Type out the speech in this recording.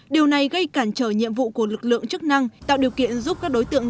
điều này gây cản trở nhiệm vụ của lực lượng chức năng tạo điều kiện giúp các đối tượng